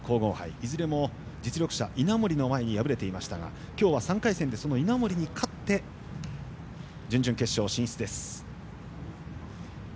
いずれも実力者、稲森の前に敗れていましたが今日は３回戦でその稲森に勝って準々決勝進出です。